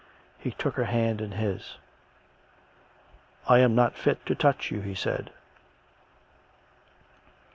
He took her hand in his. " I am not fit to touch you," he said.